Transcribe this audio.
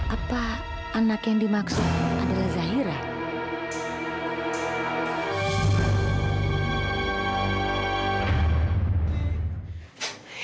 apa anak yang dimaksud adalah zahira